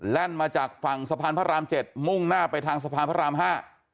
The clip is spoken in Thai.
แล่นมาจากฝั่งสะพานพระรามเจ็ดมุ่งหน้าไปทางสะพานพระราม๕